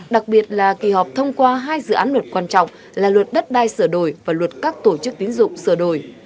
đặc biệt là kỳ họp thông qua hai dự án luật quan trọng là luật đất đai sửa đổi và luật các tổ chức tín dụng sửa đổi